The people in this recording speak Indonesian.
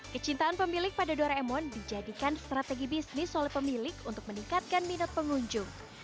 kecintaan pemilik pada doraemon dijadikan strategi bisnis oleh pemilik untuk meningkatkan minat pengunjung